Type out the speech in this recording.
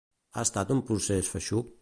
Ha estat un procés feixuc?